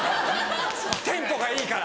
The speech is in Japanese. テンポがいいから。